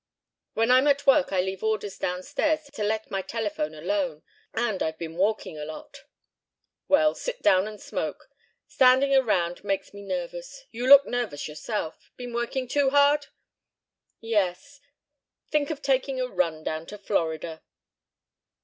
"When I'm at work I leave orders downstairs to let my telephone alone, and I've been walking a lot." "Well, sit down and smoke. Standing round makes me nervous. You look nervous yourself. Been working too hard?" "Yes. Think of taking a run down to Florida."